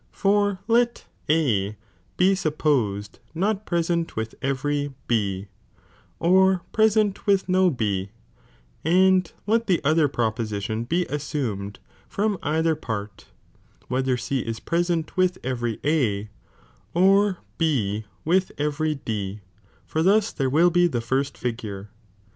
For iiifpnim let A be supposed nut present witli every B, or °"''''^* present with uo B, and let the other proposition he assumed from either part, wliether C is present with every A, oi ~ with every D, ibr tiiua there will be the first figure.